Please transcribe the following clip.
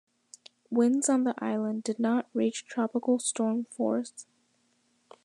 Winds on the island did not reach tropical storm force.